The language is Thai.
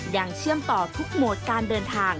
เชื่อมต่อทุกโหมดการเดินทาง